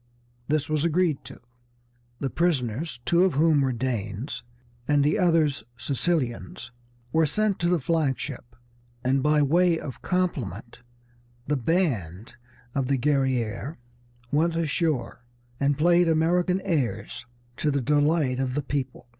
This was agreed to. The prisoners, two of whom were Danes, and the others Sicilians, were sent to the flag ship, and by way of compliment the band of the Guerrière went ashore and played American airs to the delight of the people.